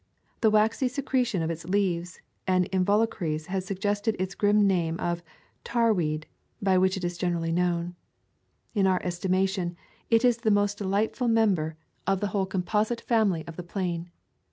The waxy secre tion of its leaves and involucres has suggested its grim name of "tarweed," by which it is generally known. In our estimation, it is the most delightful member of the whole Compos .[ 209 ] A Thousand Mile Walk ite Family of the plain.